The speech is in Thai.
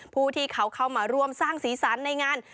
ผู้ที่เข้ามารวมสร้างศีรษะในงาน